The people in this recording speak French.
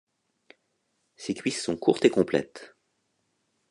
Ses cuisses sont courtes et complètes.